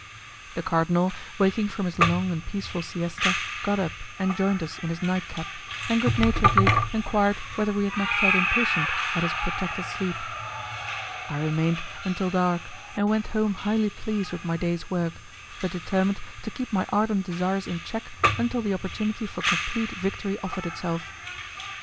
The cardinal, waking from his long and peaceful siesta, got up and joined us in his night cap, and good naturedly enquired whether we had not felt impatient at his protracted sleep. I remained until dark and went home highly pleased with my day's work, but determined to keep my ardent desires in check until the opportunity for complete victory offered itself.